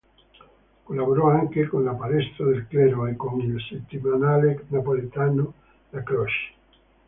Collaborò anche con la "Palestra del Clero" e con il settimanale napoletano "La Croce".